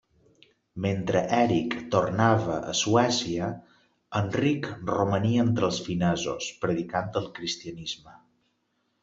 Mentre Eric tornava a Suècia, Enric romania entre els finesos, predicant el cristianisme.